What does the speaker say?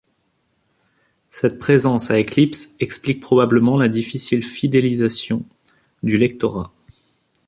Cette présence à éclipses explique probablement la difficile fidélisation du lectorat.